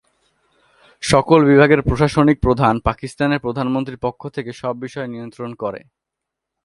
সকল বিভাগের প্রশাসনিক প্রধান, পাকিস্তানের প্রধানমন্ত্রীর পক্ষ থেকে সব বিষয় নিয়ন্ত্রণ করে।